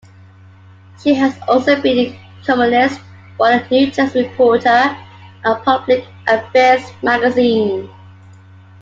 She has also been a columnist for the "New Jersey Reporter", a public-affairs magazine.